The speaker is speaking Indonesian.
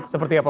seperti apa pak